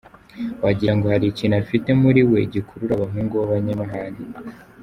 Wagira ngo hari ikintu afite muri we gikurura abahungu babanyamahane.